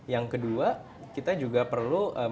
yang kedua kita juga perlu metode metode yang menarik